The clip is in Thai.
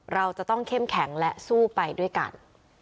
เราจะต้องเข้มแข็งและสู้ไปด้วยกัน